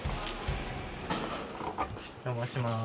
お邪魔します。